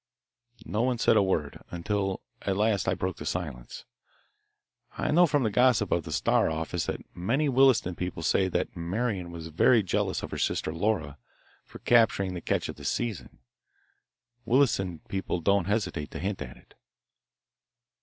No one said a word, until at last I broke the silence. "I know from the gossip of the Star office that many Williston people say that Marian was very jealous of her sister Laura for capturing the catch of the season. Williston people don't hesitate to hint at it."